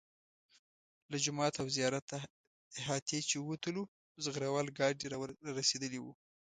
له جومات او زیارت احاطې چې ووتلو زغره وال ګاډي را رسېدلي وو.